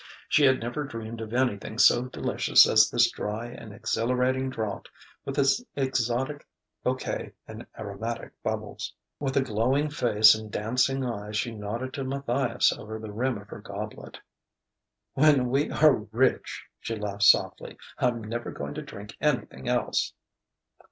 She had never dreamed of anything so delicious as this dry and exhilarating draught with its exotic bouquet and aromatic bubbles. With a glowing face and dancing eyes she nodded to Matthias over the rim of her goblet. "When we are rich," she laughed softly, "I'm never going to drink anything else!"